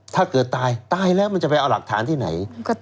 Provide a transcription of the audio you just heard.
ถ้าเกิดตายตายแล้วมันจะไปเอาหลักฐานที่ไหน